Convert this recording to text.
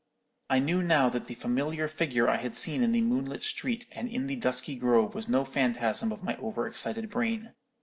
I knew now that the familiar figure I had seen in the moonlit street and in the dusky grove was no phantasm of my over excited brain.